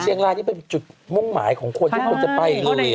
เชียงรายนี่เป็นจุดมุ่งหมายของคนที่คนจะไปลุย